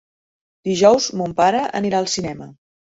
Dijous mon pare anirà al cinema.